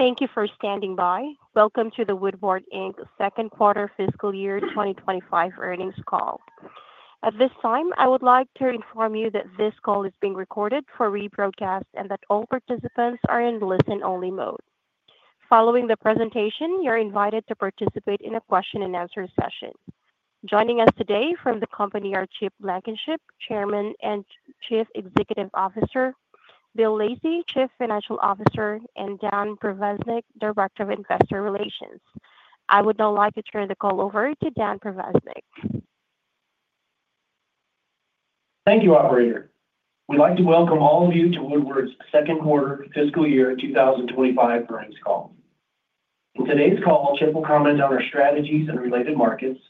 Thank you for standing by. Welcome to the Woodward Second Quarter Fiscal Year 2025 earnings call. At this time, I would like to inform you that this call is being recorded for rebroadcast and that all participants are in listen-only mode. Following the presentation, you're invited to participate in a question-and-answer session. Joining us today from the company are Chip Blankenship, Chairman and Chief Executive Officer; Bill Lacey, Chief Financial Officer; and Dan Provaznik, Director of Investor Relations. I would now like to turn the call over to Dan Provaznik. Thank you, Operator. We'd like to welcome all of you to Woodward's Second Quarter Fiscal Year 2025 earnings call. In today's call, Chip will comment on our strategies and related markets.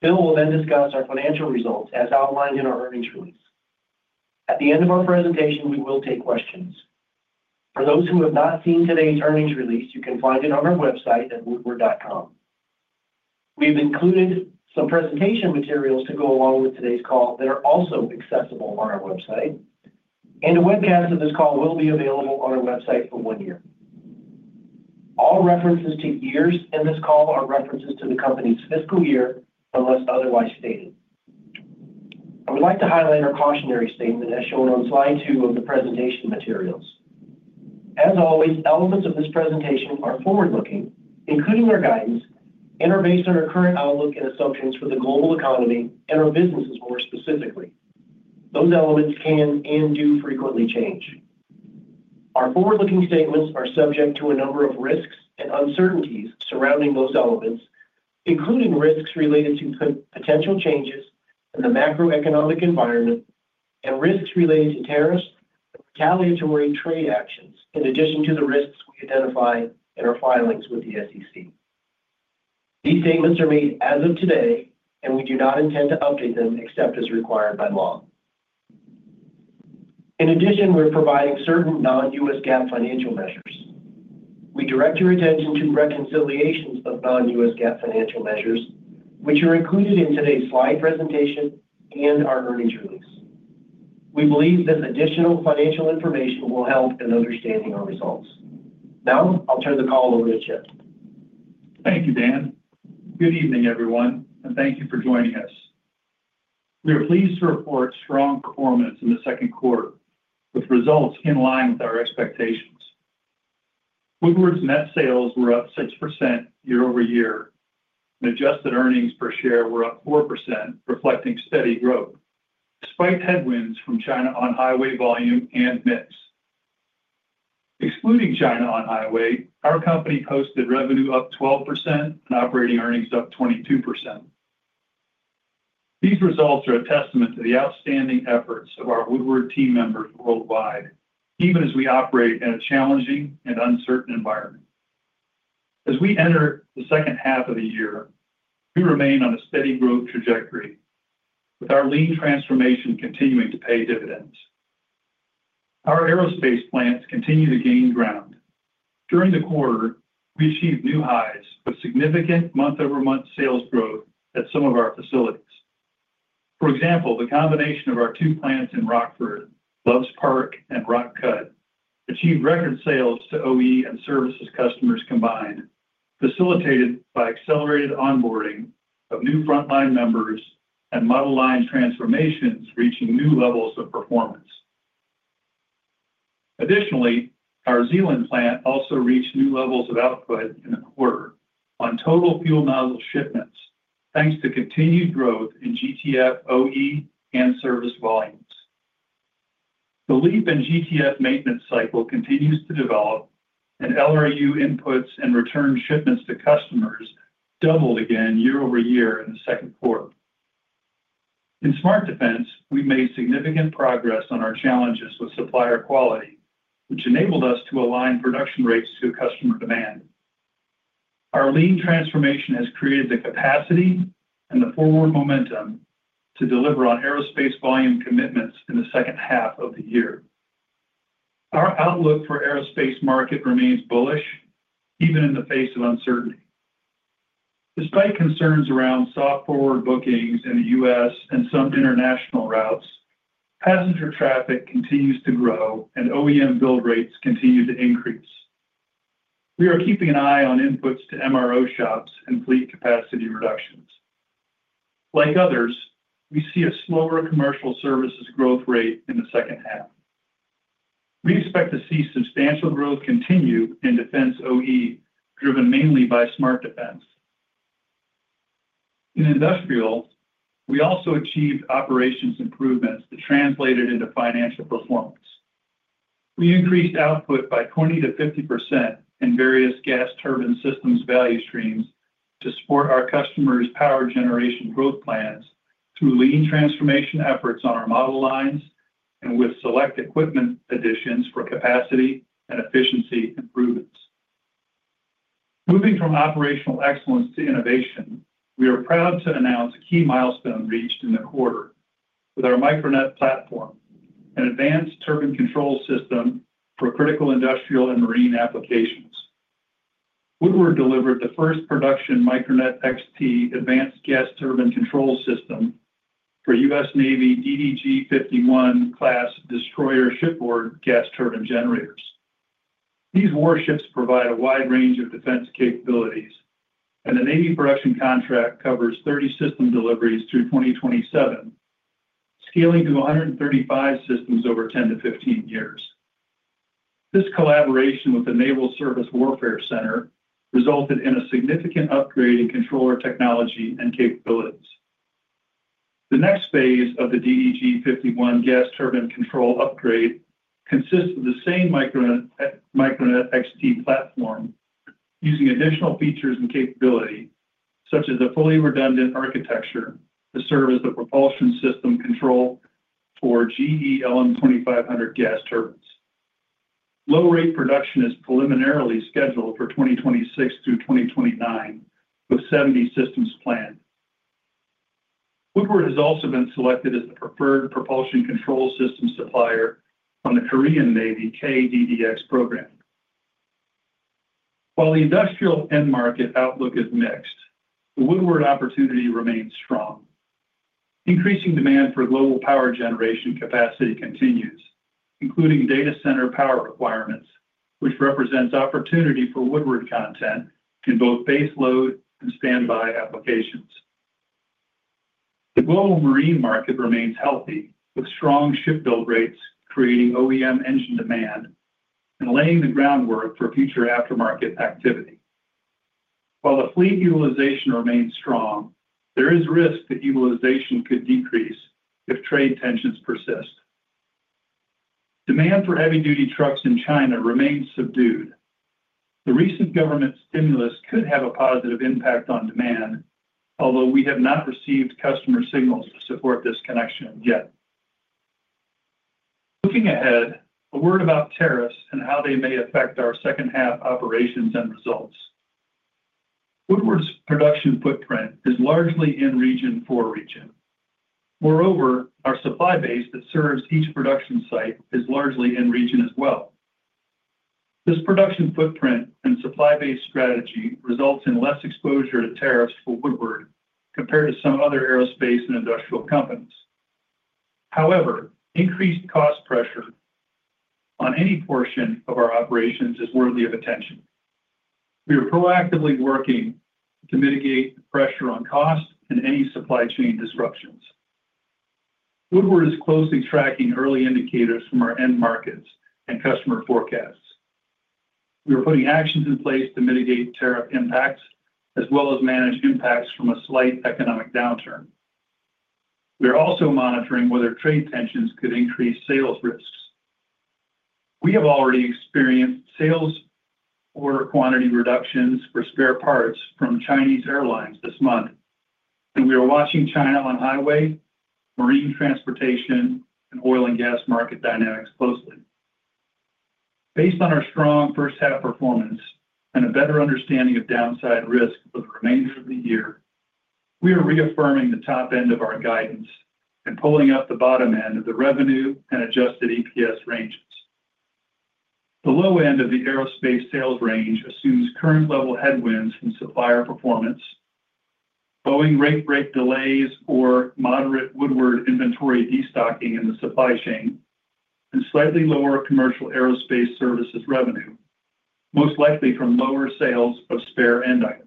Bill will then discuss our financial results as outlined in our earnings release. At the end of our presentation, we will take questions. For those who have not seen today's earnings release, you can find it on our website at woodward.com. We've included some presentation materials to go along with today's call that are also accessible on our website, and a webcast of this call will be available on our website for one year. All references to years in this call are references to the company's fiscal year unless otherwise stated. I would like to highlight our cautionary statement as shown on slide two of the presentation materials. As always, elements of this presentation are forward-looking, including our guidance, and are based on our current outlook and assumptions for the global economy and our businesses more specifically. Those elements can and do frequently change. Our forward-looking statements are subject to a number of risks and uncertainties surrounding those elements, including risks related to potential changes in the macroeconomic environment and risks related to tariffs and retaliatory trade actions, in addition to the risks we identify in our filings with the SEC. These statements are made as of today, and we do not intend to update them except as required by law. In addition, we're providing certain non-U.S. GAAP financial measures. We direct your attention to reconciliations of non-U.S. GAAP financial measures, which are included in today's slide presentation and our earnings release. We believe this additional financial information will help in understanding our results. Now, I'll turn the call over to Chip. Thank you, Dan. Good evening, everyone, and thank you for joining us. We are pleased to report strong performance in the second quarter, with results in line with our expectations. Woodward's net sales were up 6% year over year, and adjusted earnings per share were up 4%, reflecting steady growth despite headwinds from China on-highway volume and MIPS. Excluding China on-highway, our company posted revenue up 12% and operating earnings up 22%. These results are a testament to the outstanding efforts of our Woodward team members worldwide, even as we operate in a challenging and uncertain environment. As we enter the second half of the year, we remain on a steady growth trajectory, with our lean transformation continuing to pay dividends. Our aerospace plants continue to gain ground. During the quarter, we achieved new highs with significant month-over-month sales growth at some of our facilities. For example, the combination of our two plants in Rockford, Loves Park, and Rock Cut achieved record sales to OE and services customers combined, facilitated by accelerated onboarding of new frontline members and model line transformations reaching new levels of performance. Additionally, our Zeeland plant also reached new levels of output in the quarter on total fuel nozzle shipments, thanks to continued growth in GTF OE and service volumes. The leap in GTF maintenance cycle continues to develop, and LRU inputs and return shipments to customers doubled again year over year in the second quarter. In Smart Defense, we made significant progress on our challenges with supplier quality, which enabled us to align production rates to customer demand. Our lean transformation has created the capacity and the forward momentum to deliver on aerospace volume commitments in the second half of the year. Our outlook for the aerospace market remains bullish, even in the face of uncertainty. Despite concerns around soft forward bookings in the U.S. and some international routes, passenger traffic continues to grow, and OEM build rates continue to increase. We are keeping an eye on inputs to MRO shops and fleet capacity reductions. Like others, we see a slower commercial services growth rate in the second half. We expect to see substantial growth continue in defense OE, driven mainly by Smart Defense. In industrial, we also achieved operations improvements that translated into financial performance. We increased output by 20-50% in various gas turbine systems value streams to support our customers' power generation growth plans through lean transformation efforts on our model lines and with select equipment additions for capacity and efficiency improvements. Moving from operational excellence to innovation, we are proud to announce a key milestone reached in the quarter with our MicroNet platform, an advanced turbine control system for critical industrial and marine applications. Woodward delivered the first production MicroNet XT advanced gas turbine control system for U.S. Navy DDG-51 class destroyer shipboard gas turbine generators. These warships provide a wide range of defense capabilities, and the Navy production contract covers 30 system deliveries through 2027, scaling to 135 systems over 10 to 15 years. This collaboration with the Naval Survice Warfare Center resulted in a significant upgrade in controller technology and capabilities. The next phase of the DDG-51 gas turbine control upgrade consists of the same MicroNet XT platform, using additional features and capability, such as a fully redundant architecture to serve as the propulsion system control for GE LM2500 gas turbines. Low-rate production is preliminarily scheduled for 2026 through 2029, with 70 systems planned. Woodward has also been selected as the preferred propulsion control system supplier from the Korean Navy KDDX program. While the industrial end market outlook is mixed, the Woodward opportunity remains strong. Increasing demand for global power generation capacity continues, including data center power requirements, which represents opportunity for Woodward content in both base load and standby applications. The global marine market remains healthy, with strong shipbuild rates creating OEM engine demand and laying the groundwork for future aftermarket activity. While the fleet utilization remains strong, there is risk that utilization could decrease if trade tensions persist. Demand for heavy-duty trucks in China remains subdued. The recent government stimulus could have a positive impact on demand, although we have not received customer signals to support this connection yet. Looking ahead, a word about tariffs and how they may affect our second half operations and results. Woodward's production footprint is largely in region for region. Moreover, our supply base that serves each production site is largely in region as well. This production footprint and supply-based strategy results in less exposure to tariffs for Woodward compared to some other aerospace and industrial companies. However, increased cost pressure on any portion of our operations is worthy of attention. We are proactively working to mitigate the pressure on cost and any supply chain disruptions. Woodward is closely tracking early indicators from our end markets and customer forecasts. We are putting actions in place to mitigate tariff impacts as well as manage impacts from a slight economic downturn. We are also monitoring whether trade tensions could increase sales risks. We have already experienced sales order quantity reductions for spare parts from Chinese airlines this month, and we are watching China on-highway, marine transportation, and oil and gas market dynamics closely. Based on our strong first half performance and a better understanding of downside risk for the remainder of the year, we are reaffirming the top end of our guidance and pulling up the bottom end of the revenue and adjusted EPS ranges. The low end of the aerospace sales range assumes current-level headwinds from supplier performance, Boeing rate break delays or moderate Woodward inventory destocking in the supply chain, and slightly lower commercial aerospace services revenue, most likely from lower sales of spare end items.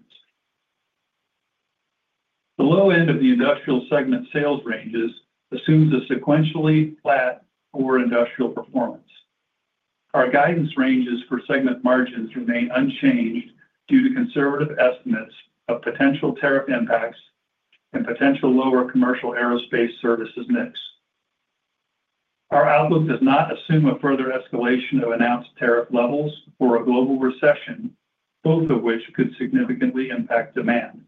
The low end of the industrial segment sales ranges assumes a sequentially flat forward industrial performance. Our guidance ranges for segment margins remain unchanged due to conservative estimates of potential tariff impacts and potential lower commercial aerospace services mix. Our outlook does not assume a further escalation of announced tariff levels or a global recession, both of which could significantly impact demand.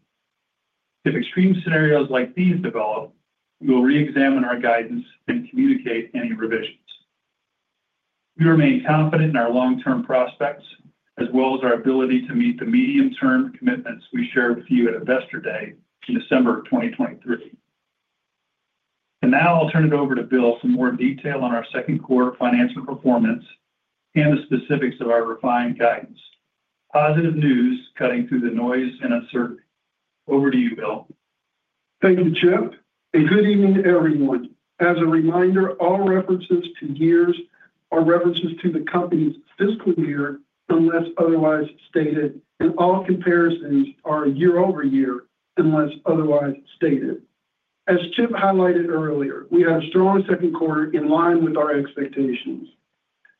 If extreme scenarios like these develop, we will re-examine our guidance and communicate any revisions. We remain confident in our long-term prospects as well as our ability to meet the medium-term commitments we shared with you at Investor Day in December of 2023. Now I'll turn it over to Bill for more detail on our second quarter financial performance and the specifics of our refined guidance. Positive news cutting through the noise and uncertainty. Over to you, Bill. Thank you, Chip. Good evening, everyone. As a reminder, all references to years are references to the company's fiscal year unless otherwise stated, and all comparisons are year over year unless otherwise stated. As Chip highlighted earlier, we had a strong second quarter in line with our expectations.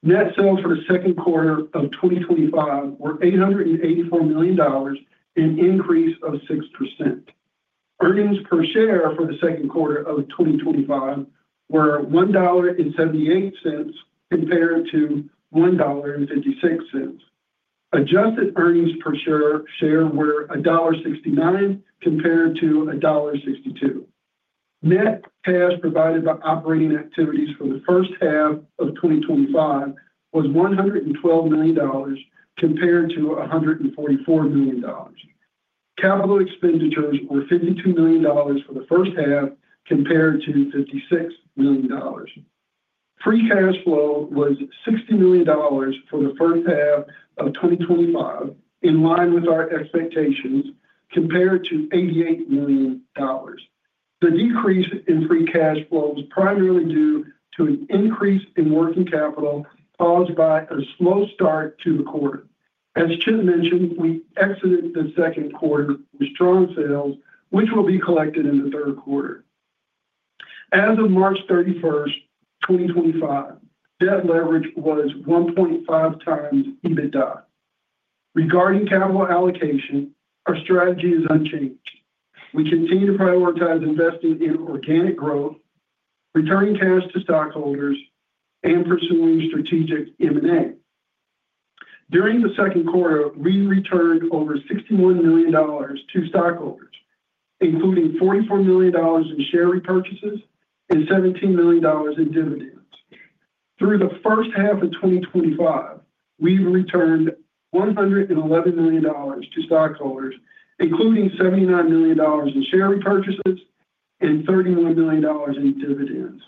Net sales for the second quarter of 2025 were $884 million and an increase of 6%. Earnings per share for the second quarter of 2025 were $1.78 compared to $1.56. Adjusted earnings per share were $1.69 compared to $1.62. Net cash provided by operating activities for the first half of 2025 was $112 million compared to $144 million. Capital expenditures were $52 million for the first half compared to $56 million. Free cash flow was $60 million for the first half of 2025 in line with our expectations compared to $88 million. The decrease in free cash flow was primarily due to an increase in working capital caused by a slow start to the quarter. As Chip mentioned, we exited the second quarter with strong sales, which will be collected in the third quarter. As of March 31, 2025, debt leverage was 1.5 times EBITDA. Regarding capital allocation, our strategy is unchanged. We continue to prioritize investing in organic growth, returning cash to stockholders, and pursuing strategic M&A. During the second quarter, we returned over $61 million to stockholders, including $44 million in share repurchases and $17 million in dividends. Through the first half of 2025, we've returned $111 million to stockholders, including $79 million in share repurchases and $31 million in dividends.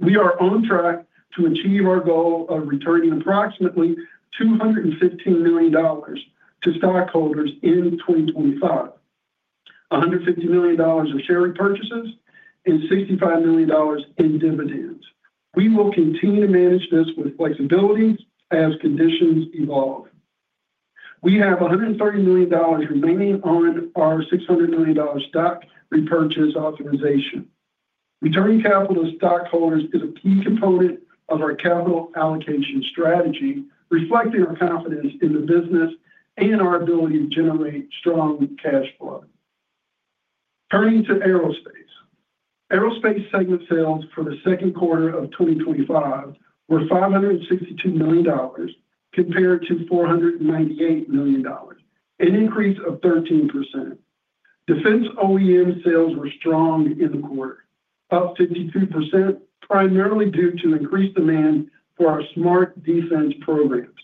We are on track to achieve our goal of returning approximately $215 million to stockholders in 2025, $150 million in share repurchases, and $65 million in dividends. We will continue to manage this with flexibility as conditions evolve. We have $130 million remaining on our $600 million stock repurchase authorization. Returning capital to stockholders is a key component of our capital allocation strategy, reflecting our confidence in the business and our ability to generate strong cash flow. Turning to aerospace, aerospace segment sales for the second quarter of 2025 were $562 million compared to $498 million, an increase of 13%. Defense OEM sales were strong in the quarter, up 53%, primarily due to increased demand for our Smart Defense programs.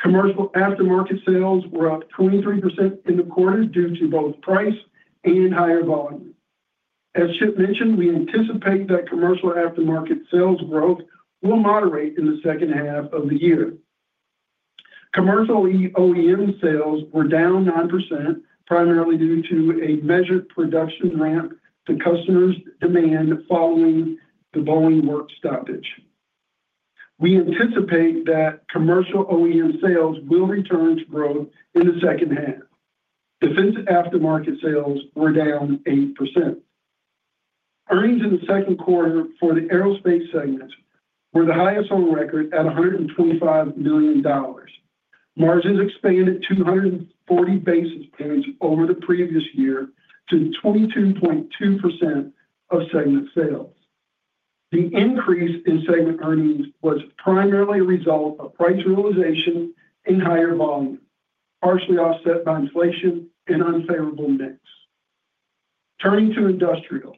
Commercial aftermarket sales were up 23% in the quarter due to both price and higher volume. As Chip mentioned, we anticipate that commercial aftermarket sales growth will moderate in the second half of the year. Commercial OEM sales were down 9%, primarily due to a measured production ramp to customers' demand following the Boeing work stoppage. We anticipate that commercial OEM sales will return to growth in the second half. Defense aftermarket sales were down 8%. Earnings in the second quarter for the aerospace segment were the highest on record at $125 million. Margins expanded 240 basis points over the previous year to 22.2% of segment sales. The increase in segment earnings was primarily a result of price realization and higher volume, partially offset by inflation and unfavorable mix. Turning to industrial,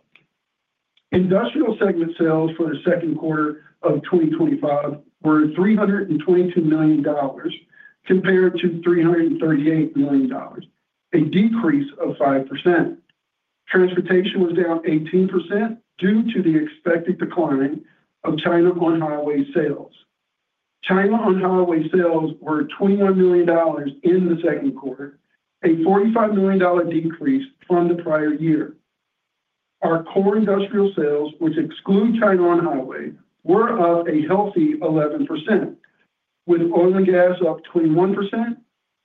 industrial segment sales for the second quarter of 2025 were $322 million compared to $338 million, a decrease of 5%. Transportation was down 18% due to the expected decline of China on-highway sales. China on-highway sales were $21 million in the second quarter, a $45 million decrease from the prior year. Our core industrial sales, which exclude China on-highway, were up a healthy 11%, with oil and gas up 21%,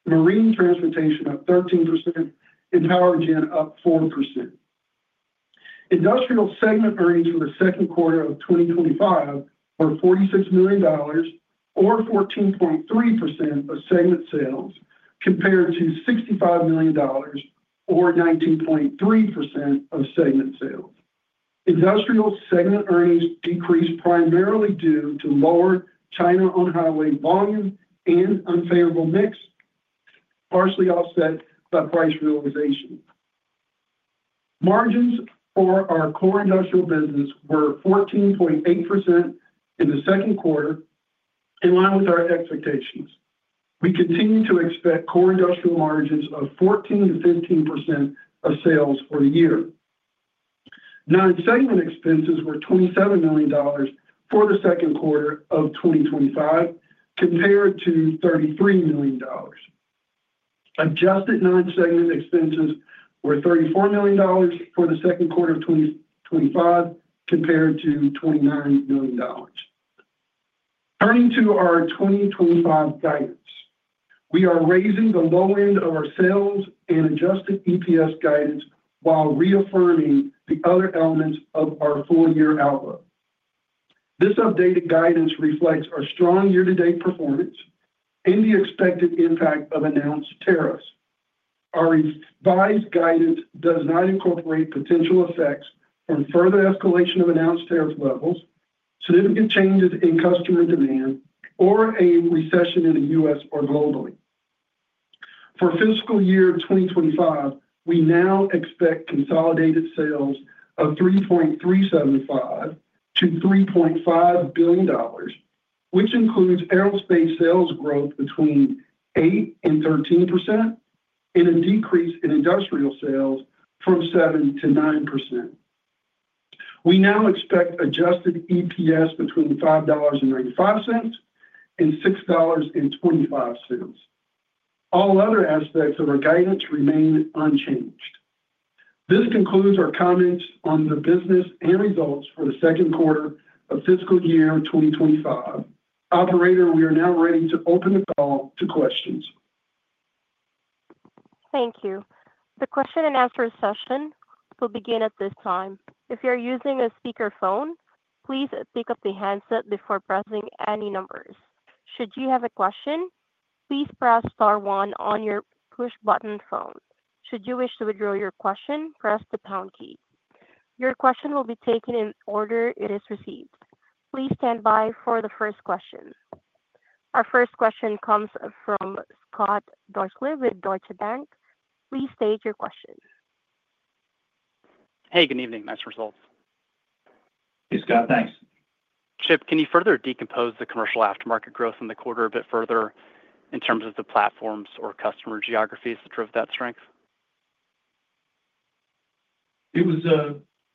marine transportation up 13%, and power gen up 4%. Industrial segment earnings for the second quarter of 2025 were $46 million, or 14.3% of segment sales, compared to $65 million, or 19.3% of segment sales. Industrial segment earnings decreased primarily due to lower China on-highway volume and unfavorable mix, partially offset by price realization. Margins for our core industrial business were 14.8% in the second quarter, in line with our expectations. We continue to expect core industrial margins of 14-15% of sales for the year. Non-segment expenses were $27 million for the second quarter of 2025, compared to $33 million. Adjusted non-segment expenses were $34 million for the second quarter of 2025, compared to $29 million. Turning to our 2025 guidance, we are raising the low end of our sales and adjusted EPS guidance while reaffirming the other elements of our full-year outlook. This updated guidance reflects our strong year-to-date performance and the expected impact of announced tariffs. Our revised guidance does not incorporate potential effects from further escalation of announced tariff levels, significant changes in customer demand, or a recession in the U.S. or globally. For fiscal year 2025, we now expect consolidated sales of $3.375 billion-$3.5 billion, which includes aerospace sales growth between 8% and 13% and a decrease in industrial sales from 7% to 9%. We now expect adjusted EPS between $5.95 and $6.25. All other aspects of our guidance remain unchanged. This concludes our comments on the business and results for the second quarter of fiscal year 2025. Operator, we are now ready to open the call to questions. Thank you. The question and answer session will begin at this time. If you're using a speakerphone, please pick up the handset before pressing any numbers. Should you have a question, please press star one on your push-button phone. Should you wish to withdraw your question, press the pound key. Your question will be taken in order it is received. Please stand by for the first question. Our first question comes from Scott Deuschle with Deutsche Bank. Please state your question. Hey, good evening. Nice results. Hey, Scott. Thanks. Chip, can you further decompose the commercial aftermarket growth in the quarter a bit further in terms of the platforms or customer geographies that drove that strength? It was,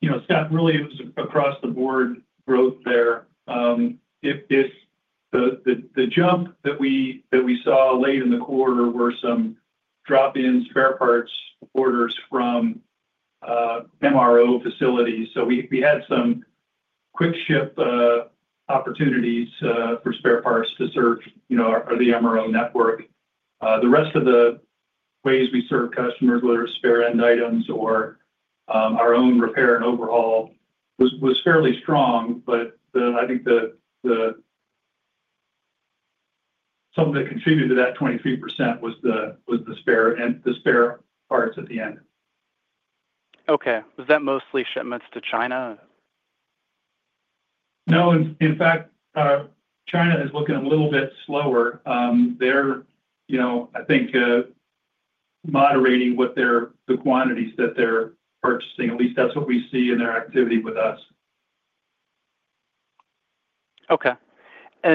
you know, Scott, really, it was across the board growth there. If this, the jump that we saw late in the quarter, were some drop-ins, spare parts orders from MRO facilities. We had some quick ship opportunities for spare parts to search, you know, our MRO network. The rest of the ways we serve customers, whether it's spare end items or our own repair and overhaul, was fairly strong. I think the something that contributed to that 23% was the spare parts at the end. Okay. Was that mostly shipments to China? No. In fact, China is looking a little bit slower. They're, you know, I think, moderating what they're the quantities that they're purchasing. At least that's what we see in their activity with us. Okay.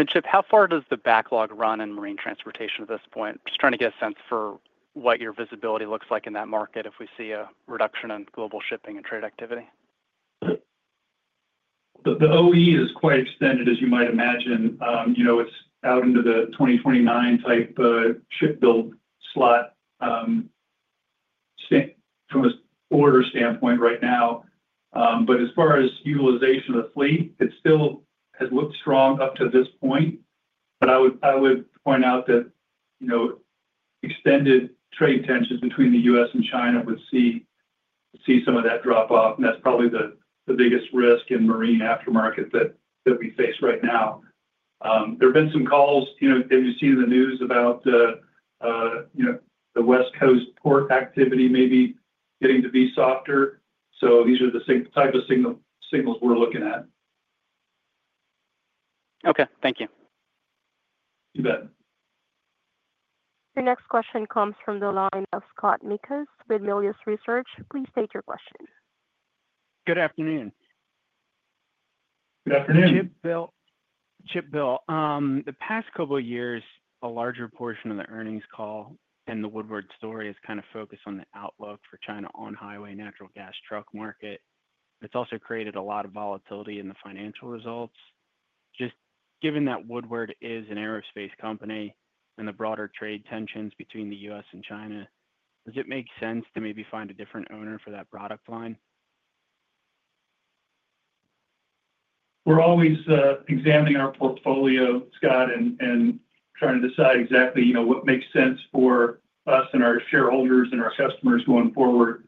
Chip, how far does the backlog run in marine transportation at this point? Just trying to get a sense for what your visibility looks like in that market if we see a reduction in global shipping and trade activity. The OE is quite extended, as you might imagine. You know, it's out into the 2029-type shipbuild slot from an order standpoint right now. As far as utilization of the fleet, it still has looked strong up to this point. I would point out that, you know, extended trade tensions between the U.S. and China would see some of that drop off. That's probably the biggest risk in marine aftermarket that we face right now. There have been some calls, you know, that you've seen in the news about, you know, the West Coast port activity maybe getting to be softer. These are the type of signals we're looking at. Okay. Thank you. You bet. Your next question comes from the line of Scott Mikus with Melius Research. Please state your question. Good afternoon. Good afternoon. Chip, Bill. Chip, Bill, the past couple of years, a larger portion of the earnings call and the Woodward story has kind of focused on the outlook for China on-highway natural gas truck market. It's also created a lot of volatility in the financial results. Just given that Woodward is an aerospace company and the broader trade tensions between the U.S. and China, does it make sense to maybe find a different owner for that product line? We're always examining our portfolio, Scott, and trying to decide exactly, you know, what makes sense for us and our shareholders and our customers going forward.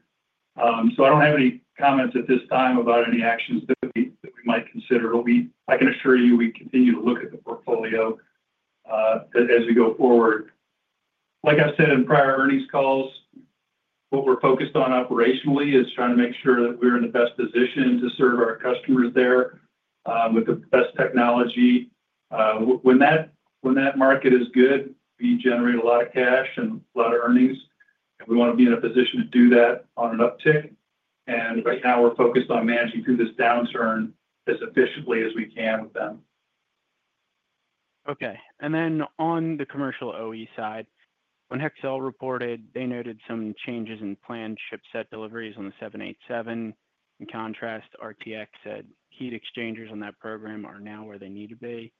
I don't have any comments at this time about any actions that we might consider. I can assure you we continue to look at the portfolio as we go forward. Like I've said in prior earnings calls, what we're focused on operationally is trying to make sure that we're in the best position to serve our customers there with the best technology. When that market is good, we generate a lot of cash and a lot of earnings. We want to be in a position to do that on an uptick. Right now, we're focused on managing through this downturn as efficiently as we can with them. Okay. And then on the commercial OE side, when Hexcel reported, they noted some changes in planned ship set deliveries on the 787. In contrast, RTX said heat exchangers on that program are now where they need to be.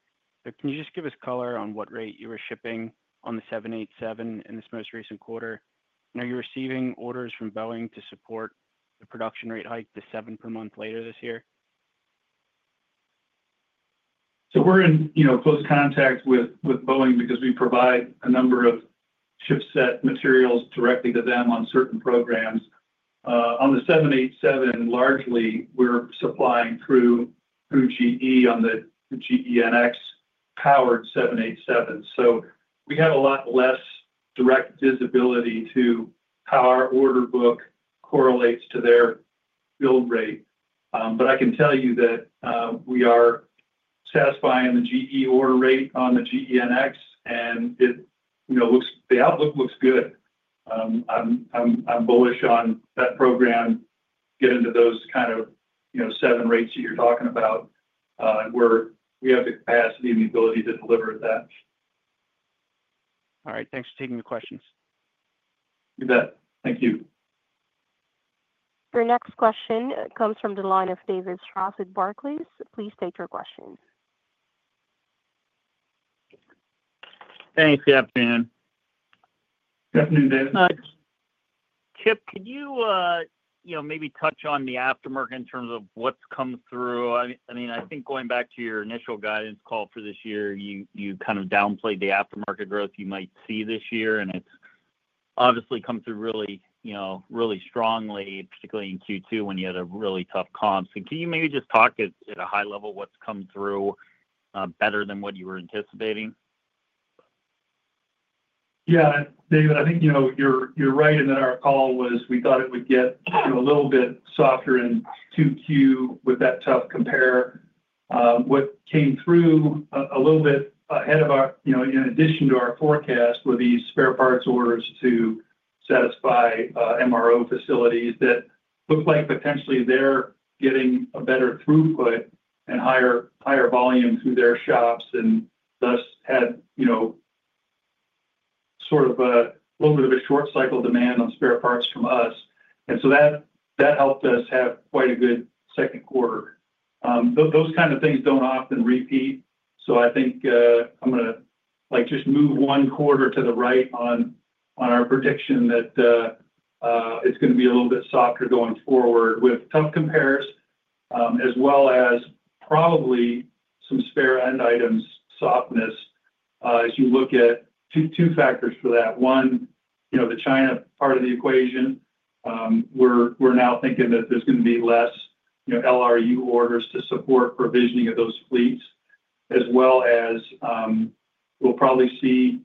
Can you just give us color on what rate you were shipping on the 787 in this most recent quarter? Are you receiving orders from Boeing to support the production rate hike to seven per month later this year? We're in, you know, close contact with Boeing because we provide a number of ship set materials directly to them on certain programs. On the 787, largely, we're supplying through GE on the GE NX powered 787. We have a lot less direct visibility to how our order book correlates to their build rate. I can tell you that we are satisfying the GE order rate on the GE NX. It, you know, looks, the outlook looks good. I'm bullish on that program, getting to those kind of, you know, seven rates that you're talking about where we have the capacity and the ability to deliver at that. All right. Thanks for taking the questions. You bet. Thank you. Your next question comes from the line of David Strauss with Barclays. Please state your question. Thanks. Good afternoon. Good afternoon, David. Chip, could you, you know, maybe touch on the aftermarket in terms of what's come through? I mean, I think going back to your initial guidance call for this year, you kind of downplayed the aftermarket growth you might see this year. It's obviously come through really, you know, really strongly, particularly in Q2 when you had a really tough comps. Can you maybe just talk at a high level what's come through better than what you were anticipating? Yeah. David, I think, you know, you're right in that our call was we thought it would get a little bit softer in Q2 with that tough compare. What came through a little bit ahead of our, you know, in addition to our forecast were these spare parts orders to satisfy MRO facilities that looked like potentially they're getting a better throughput and higher volume through their shops and thus had, you know, sort of a little bit of a short cycle demand on spare parts from us. That helped us have quite a good second quarter. Those kind of things do not often repeat. I think I'm going to just move one quarter to the right on our prediction that it's going to be a little bit softer going forward with tough compares, as well as probably some spare end items softness as you look at two factors for that. One, you know, the China part of the equation. We're now thinking that there's going to be less, you know, LRU orders to support provisioning of those fleets, as well as we'll probably see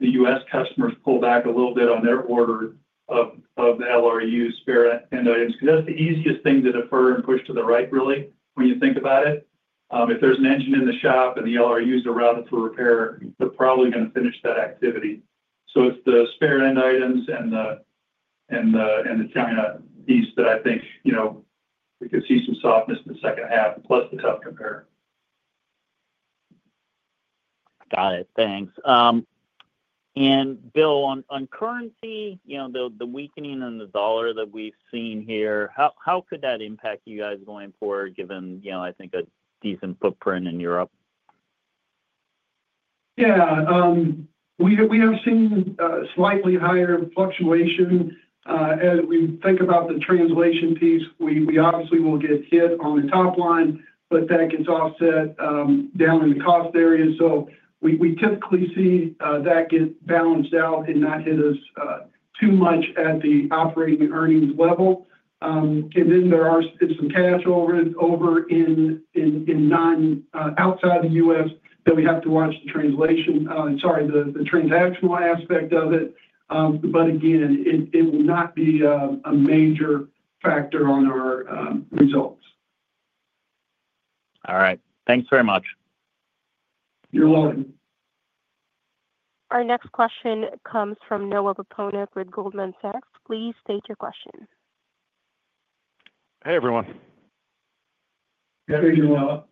the U.S. customers pull back a little bit on their order of the LRU spare end items. Because that's the easiest thing to defer and push to the right, really, when you think about it. If there's an engine in the shop and the LRUs are routed for repair, they're probably going to finish that activity. It is the spare end items and the China piece that I think, you know, we could see some softness in the second half, plus the tough compare. Got it. Thanks. Bill, on currency, you know, the weakening in the dollar that we've seen here, how could that impact you guys going forward given, you know, I think, a decent footprint in Europe? Yeah. We have seen slightly higher fluctuation. As we think about the translation piece, we obviously will get hit on the top line, but that gets offset down in the cost area. We typically see that get balanced out and not hit us too much at the operating earnings level. There are some cash over in outside the U.S. that we have to watch the translation, sorry, the transactional aspect of it. Again, it will not be a major factor on our results. All right. Thanks very much. You're welcome. Our next question comes from Noah Poponak with Goldman Sachs. Please state your question. Hey, everyone. Hey, everyone.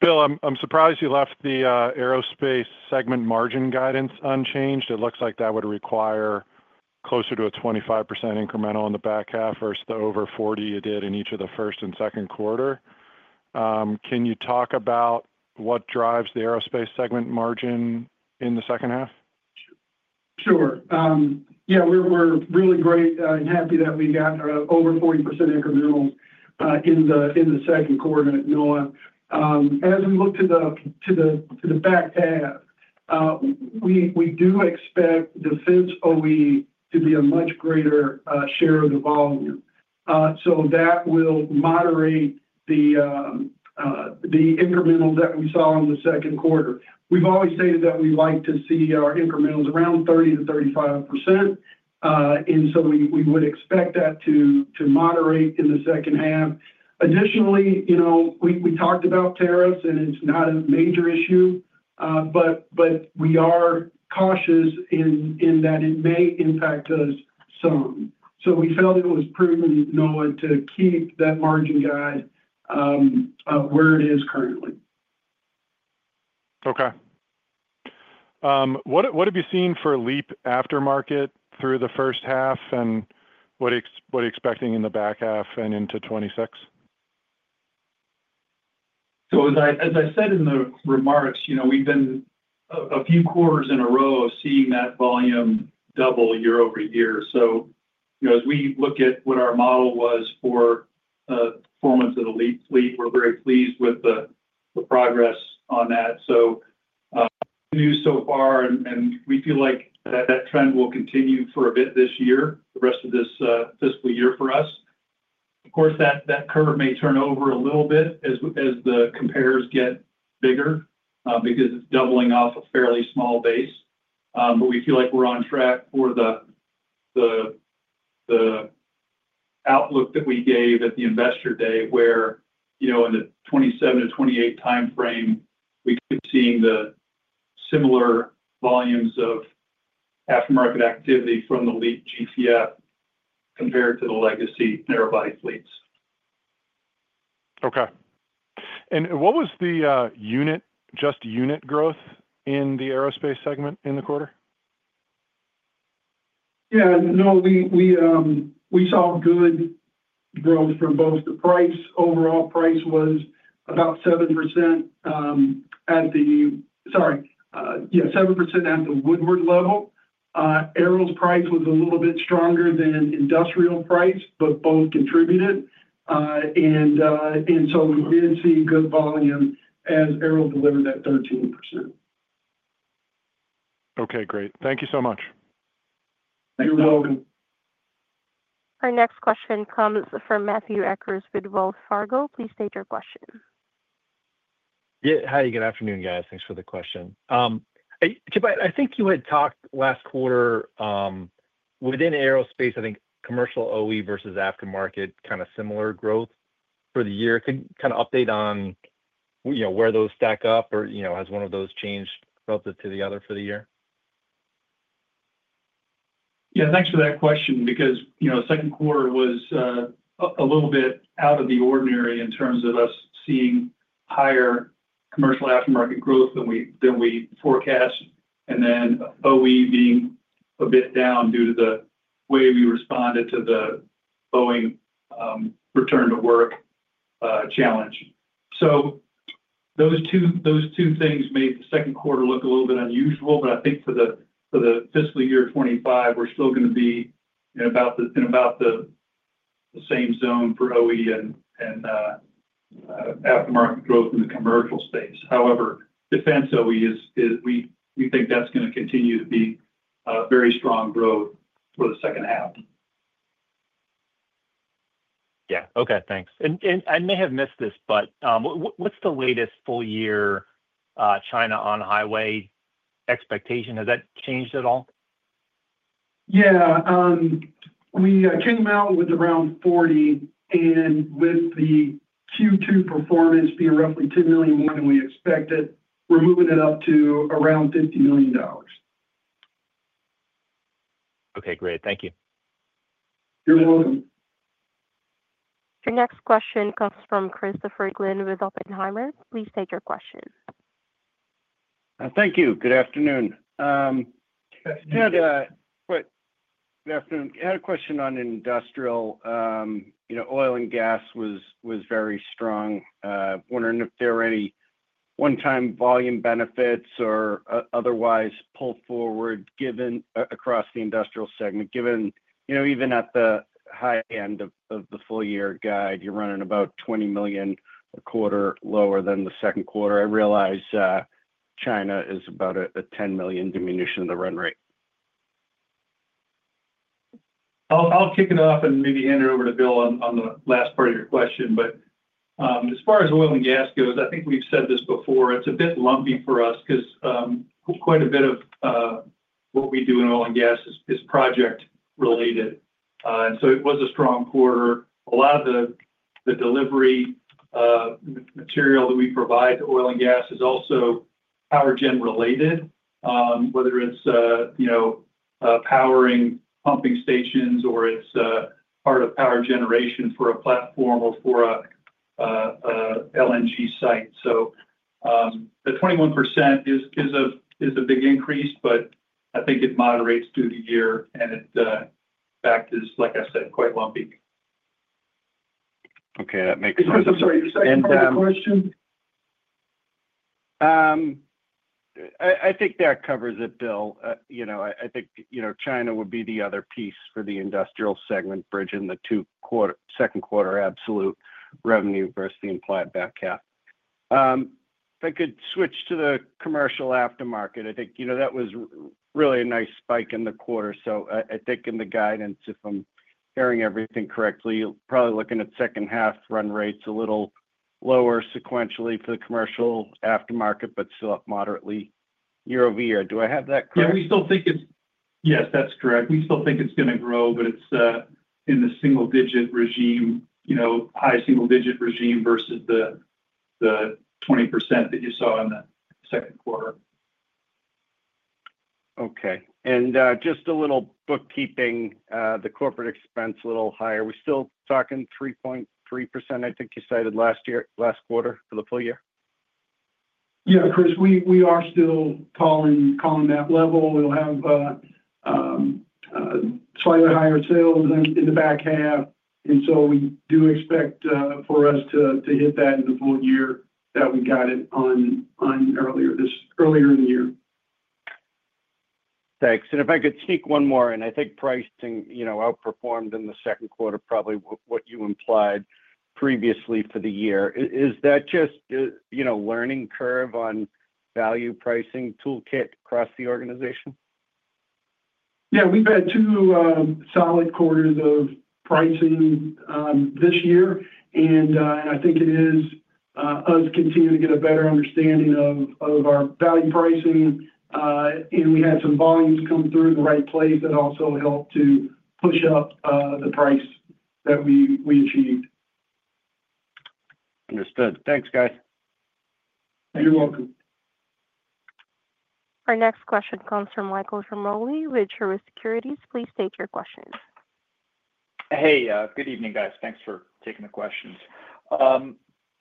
Bill, I'm surprised you left the aerospace segment margin guidance unchanged. It looks like that would require closer to a 25% incremental in the back half versus the over 40% you did in each of the first and second quarter. Can you talk about what drives the aerospace segment margin in the second half? Sure. Yeah. We're really great and happy that we got over 40% incrementals in the second quarter at NOAA. As we look to the back half, we do expect defense OE to be a much greater share of the volume. That will moderate the incrementals that we saw in the second quarter. We've always stated that we like to see our incrementals around 30-35%. We would expect that to moderate in the second half. Additionally, you know, we talked about tariffs, and it's not a major issue. We are cautious in that it may impact us some. We felt it was prudent at NOAA to keep that margin guide where it is currently. Okay. What have you seen for LEAP aftermarket through the first half and what are you expecting in the back half and into 2026? As I said in the remarks, you know, we've been a few quarters in a row of seeing that volume double year over year. You know, as we look at what our model was for performance of the LEAP fleet, we're very pleased with the progress on that. Good news so far. We feel like that trend will continue for a bit this year, the rest of this fiscal year for us. Of course, that curve may turn over a little bit as the compares get bigger because it's doubling off a fairly small base. We feel like we're on track for the outlook that we gave at the investor day where, you know, in the 2027 to 2028 timeframe, we could be seeing the similar volumes of aftermarket activity from the LEAP GTF compared to the legacy narrow body fleets. Okay. What was the unit, just unit growth in the aerospace segment in the quarter? Yeah. No, we saw good growth from both the price. Overall price was about 7% at the, sorry, yeah, 7% at the Woodward level. Aero's price was a little bit stronger than industrial price, but both contributed. We did see good volume as Aero delivered that 13%. Okay. Great. Thank you so much. You're welcome. Our next question comes from Matthew Akers with Wells Fargo. Please state your question. Yeah. Hi. Good afternoon, guys. Thanks for the question. Chip, I think you had talked last quarter within aerospace, I think commercial OE versus aftermarket, kind of similar growth for the year. Can you kind of update on, you know, where those stack up or, you know, has one of those changed relative to the other for the year? Yeah. Thanks for that question because, you know, the second quarter was a little bit out of the ordinary in terms of us seeing higher commercial aftermarket growth than we forecast. Then OE being a bit down due to the way we responded to the Boeing return to work challenge. Those two things made the second quarter look a little bit unusual. I think for the fiscal year 2025, we're still going to be in about the same zone for OE and aftermarket growth in the commercial space. However, defense OE, we think that's going to continue to be very strong growth for the second half. Yeah. Okay. Thanks. I may have missed this, but what's the latest full-year China on-highway expectation? Has that changed at all? Yeah. We came out with around 40. And with the Q2 performance being roughly $10 million more than we expected, we're moving it up to around $50 million. Okay. Great. Thank you. You're welcome. Your next question comes from Christopher Glynn with Oppenheimer. Please state your question. Thank you. Good afternoon. Good afternoon. I had a question on industrial. You know, oil and gas was very strong. Wondering if there were any one-time volume benefits or otherwise pull forward across the industrial segment, given, you know, even at the high end of the full-year guide, you're running about $20 million a quarter lower than the second quarter. I realize China is about a $10 million diminution of the run rate. I'll kick it off and maybe hand it over to Bill on the last part of your question. As far as oil and gas goes, I think we've said this before. It's a bit lumpy for us because quite a bit of what we do in oil and gas is project-related. It was a strong quarter. A lot of the delivery material that we provide to oil and gas is also power-gen related, whether it's, you know, powering pumping stations or it's part of power generation for a platform or for an LNG site. The 21% is a big increase, but I think it moderates through the year. It, in fact, is, like I said, quite lumpy. Okay. That makes sense. I'm sorry. The second question. I think that covers it, Bill. You know, I think, you know, China would be the other piece for the industrial segment bridge in the second quarter absolute revenue versus the implied back half. If I could switch to the commercial aftermarket, I think, you know, that was really a nice spike in the quarter. I think in the guidance, if I'm hearing everything correctly, you're probably looking at second half run rates a little lower sequentially for the commercial aftermarket, but still up moderately year over year. Do I have that correct? Yeah. We still think it's, yes, that's correct. We still think it's going to grow, but it's in the single-digit regime, you know, high single-digit regime versus the 20% that you saw in the second quarter. Okay. Just a little bookkeeping, the corporate expense a little higher. We're still talking 3.3%, I think you cited last year, last quarter for the full year? Yeah, Chris, we are still calling that level. We'll have slightly higher sales in the back half. We do expect for us to hit that in the full year that we guided on earlier this year. Thanks. If I could sneak one more in, I think pricing, you know, outperformed in the second quarter probably what you implied previously for the year. Is that just, you know, learning curve on value pricing toolkit across the organization? Yeah. We've had two solid quarters of pricing this year. I think it is us continuing to get a better understanding of our value pricing. We had some volumes come through the right place that also helped to push up the price that we achieved. Understood. Thanks, guys. You're welcome. Our next question comes from Michael Ciarmolii with Truist Securities. Please state your questions. Hey, good evening, guys. Thanks for taking the questions.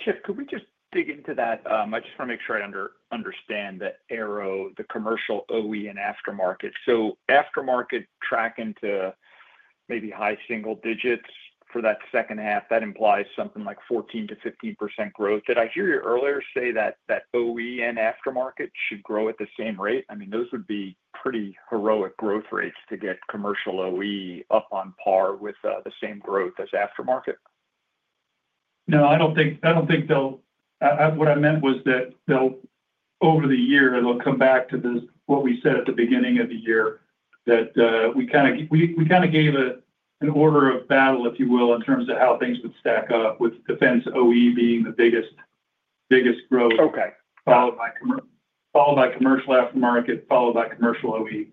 Chip, could we just dig into that? I just want to make sure I understand theAero, the commercial OE and aftermarket. Aftermarket tracking to maybe high single digits for that second half, that implies something like 14-15% growth. Did I hear you earlier say that OE and aftermarket should grow at the same rate? I mean, those would be pretty heroic growth rates to get commercial OE up on par with the same growth as aftermarket. No, I don't think they'll, what I meant was that they'll, over the year, they'll come back to what we said at the beginning of the year, that we kind of gave an order of battle, if you will, in terms of how things would stack up with defense OE being the biggest growth, followed by commercial aftermarket, followed by commercial OE.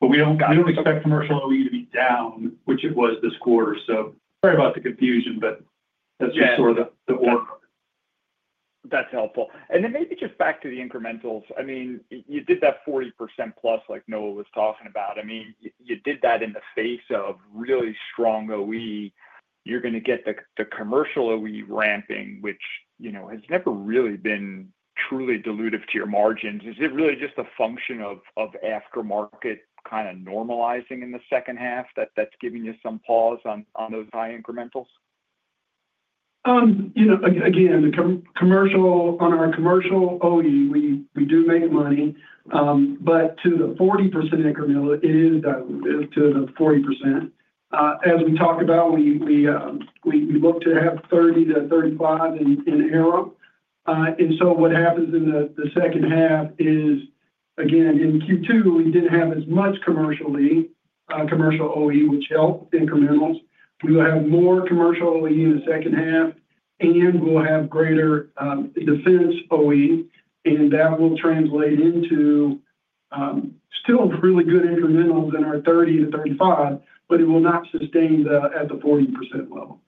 We don't expect commercial OE to be down, which it was this quarter. Sorry about the confusion, but that's just sort of the order of it. That's helpful. Maybe just back to the incrementals. I mean, you did that 40% plus like Noah was talking about. I mean, you did that in the face of really strong OE. You're going to get the commercial OE ramping, which, you know, has never really been truly dilutive to your margins. Is it really just a function of aftermarket kind of normalizing in the second half that's giving you some pause on those high incrementals? You know, again, on our commercial OE, we do make money. But to the 40% incremental, it is dilutive to the 40%. As we talked about, we look to have 30-35% in Aero. And so what happens in the second half is, again, in Q2, we did not have as much commercial OE, which helped incrementals. We will have more commercial OE in the second half, and we will have greater defense OE. That will translate into still really good incrementals in our 30-35%, but it will not sustain at the 40% level.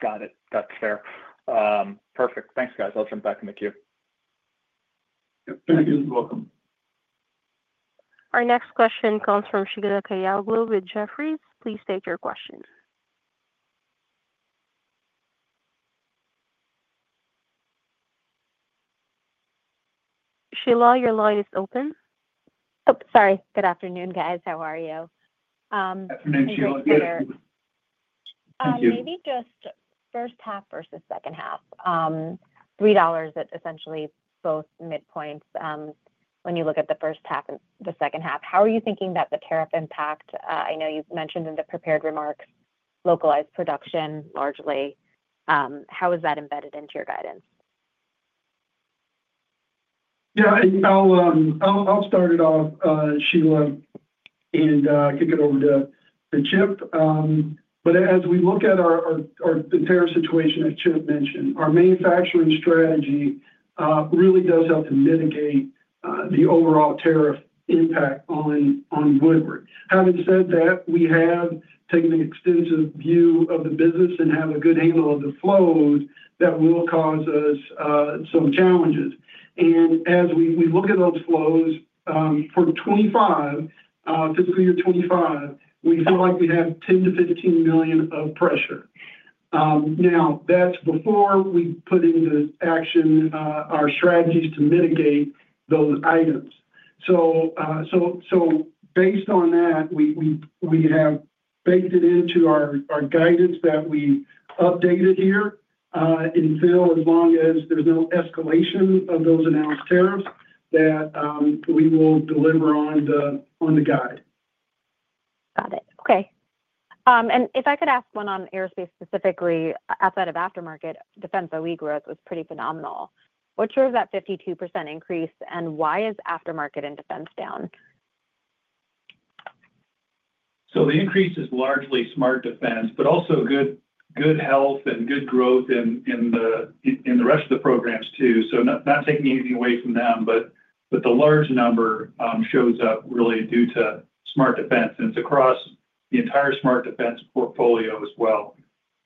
Got it. That's fair. Perfect. Thanks, guys. I'll jump back in the queue. Thank you. You're welcome. Our next question comes from Sheila Kahyaoglu with Jefferies. Please state your question. Sheila, your line is open. Oh, sorry. Good afternoon, guys. How are you? Good afternoon, Sheila. Thank you. Maybe just first half versus second half, $3 at essentially both midpoints when you look at the first half and the second half. How are you thinking that the tariff impact? I know you've mentioned in the prepared remarks localized production largely. How is that embedded into your guidance? Yeah. I'll start it off, Sheila, and kick it over to Chip. As we look at our tariff situation, as Chip mentioned, our manufacturing strategy really does help to mitigate the overall tariff impact on Woodward. Having said that, we have taken an extensive view of the business and have a good handle of the flows that will cause us some challenges. As we look at those flows for 2025, fiscal year 2025, we feel like we have $10 million-$15 million of pressure. Now, that's before we put into action our strategies to mitigate those items. Based on that, we have baked it into our guidance that we updated here. Still, as long as there's no escalation of those announced tariffs, we will deliver on the guide. Got it. Okay. If I could ask one on aerospace specifically, outside of aftermarket, defense OE growth was pretty phenomenal. What drove that 52% increase, and why is aftermarket and defense down? The increase is largely smart defense, but also good health and good growth in the rest of the programs too. Not taking anything away from them, but the large number shows up really due to smart defense. It is across the entire smart defense portfolio as well.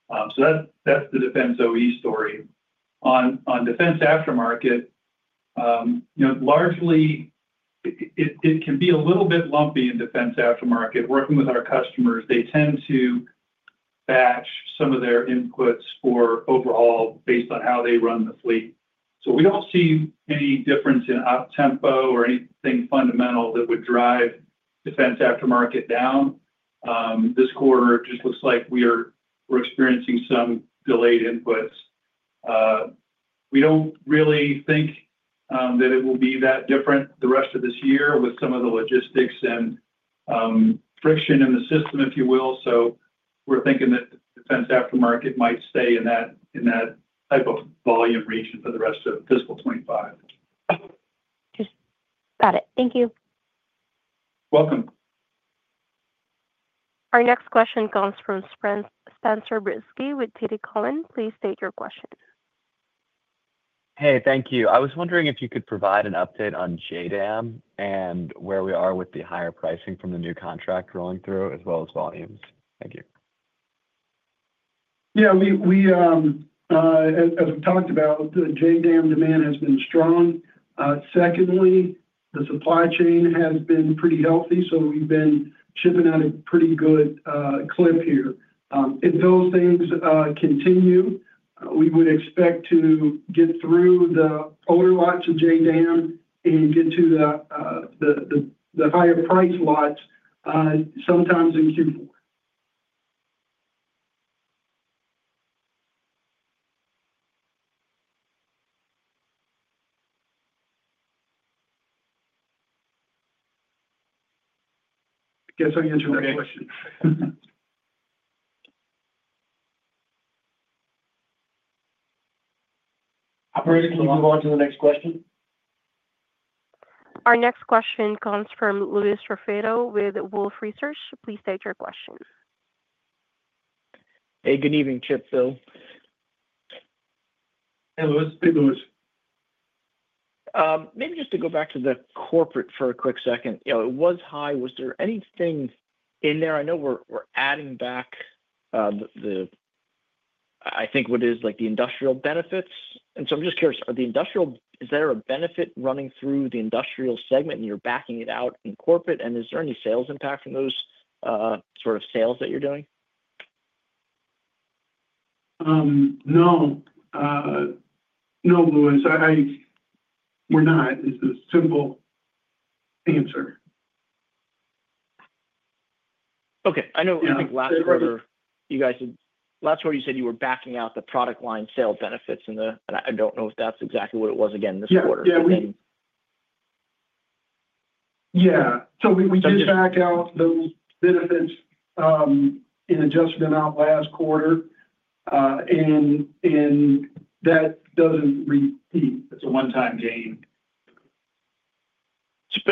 That is the defense OE story. On defense aftermarket, you know, largely it can be a little bit lumpy in defense aftermarket. Working with our customers, they tend to batch some of their inputs overall based on how they run the fleet. We do not see any difference in OPTEMPO or anything fundamental that would drive defense aftermarket down. This quarter just looks like we are experiencing some delayed inputs. We do not really think that it will be that different the rest of this year with some of the logistics and friction in the system, if you will. We're thinking that defense aftermarket might stay in that type of volume region for the rest of fiscal 2025. Got it. Thank you. You're welcome. Our next question comes from Spencer Brosser with TD Cowen. Please state your question. Hey, thank you. I was wondering if you could provide an update on JDAM and where we are with the higher pricing from the new contract rolling through, as well as volumes. Thank you. Yeah. As we talked about, JDAM demand has been strong. Secondly, the supply chain has been pretty healthy. So we've been shipping at a pretty good clip here. If those things continue, we would expect to get through the older lots of JDAM and get to the higher price lots sometimes in Q4. I guess I answered my question. Operations, can you move on to the next question? Our next question comes from Louis Raffetto with Wolfe Research. Please state your question. Hey, good evening, Chip, Phil. Hey, Luis. Maybe just to go back to the corporate for a quick second. It was high. Was there anything in there? I know we're adding back the, I think what is like the industrial benefits. And so I'm just curious, are the industrial, is there a benefit running through the industrial segment and you're backing it out in corporate? And is there any sales impact from those sort of sales that you're doing? No. No, Luis. We're not. It's a simple answer. Okay. I know I think last quarter you guys, last quarter you said you were backing out the product line sales benefits in the, and I don't know if that's exactly what it was again this quarter. Yeah. Yeah. Yeah. We did back out those benefits in adjustment out last quarter. That does not repeat. It is a one-time gain.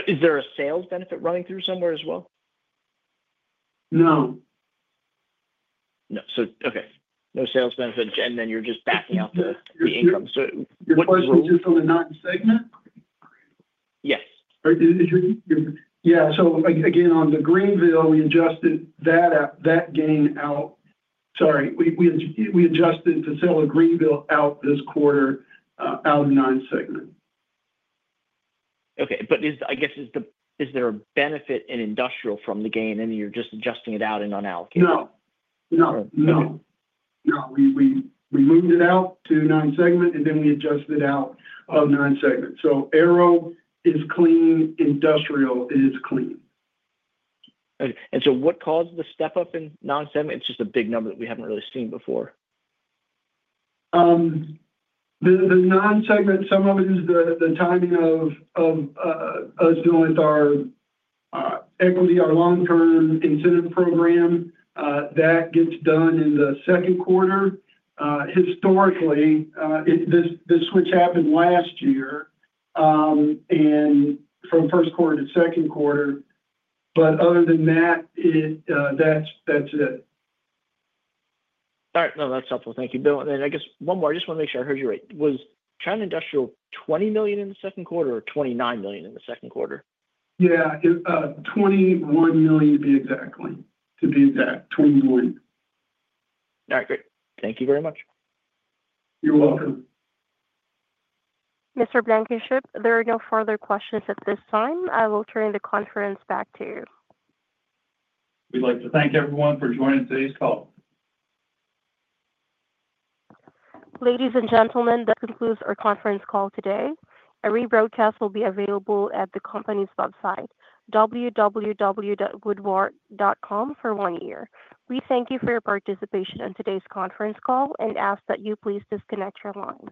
Is there a sales benefit running through somewhere as well? No. No. Okay. No sales benefit. And then you're just backing out the income. What role? Just on the non-segment? Yes. Yeah. Again, on the Greenville, we adjusted that gain out. Sorry. We adjusted to sell the Greenville out this quarter out of non-segment. Okay. I guess is there a benefit in industrial from the gain? And you're just adjusting it out and not allocating? No. We moved it out to non-segment, and then we adjusted out of non-segment. Arrow is clean. Industrial is clean. What caused the step-up in non-segment? It's just a big number that we haven't really seen before. The non-segment, some of it is the timing of us dealing with our equity, our long-term incentive program. That gets done in the second quarter. Historically, this switch happened last year from first quarter to second quarter. Other than that, that's it. All right. No, that's helpful. Thank you. Bill, and I guess one more. I just want to make sure I heard you right. Was China Industrial $20 million in the second quarter or $29 million in the second quarter? Yeah. $21 million to be exact. Twenty-one. All right. Great. Thank you very much. You're welcome. Mr. Blankenship, there are no further questions at this time. I will turn the conference back to you. We'd like to thank everyone for joining today's call. Ladies and gentlemen, that concludes our conference call today. A rebroadcast will be available at the company's website, www.woodward.com, for one year. We thank you for your participation in today's conference call and ask that you please disconnect your line.